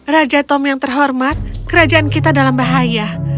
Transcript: raja tom yang terhormat kerajaan kita dalam bahaya